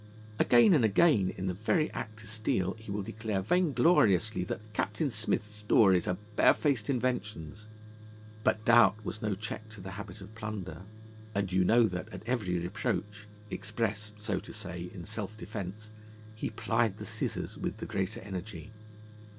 Again and again in the very act to steal he will declare vaingloriously that Captain Smith's stories are 'barefaced inventions.' But doubt was no check to the habit of plunder, and you knew that at every reproach, expressed (so to say) in self defence, he plied the scissors with the greater energy.